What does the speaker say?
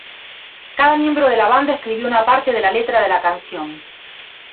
Cada miembro de la banda escribió una parte de la letra de la canción.